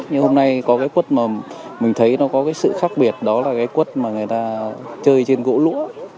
nhưng hôm nay có cái quất mà mình thấy nó có cái sự khác biệt đó là cái quất mà người ta chơi trên gỗ lũa